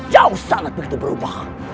jauh sangat begitu berubah